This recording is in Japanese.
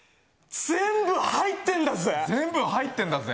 全部入ってんだぜ？